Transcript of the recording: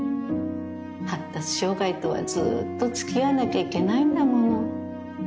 発達障害とはずっと付き合わなきゃいけないんだもの。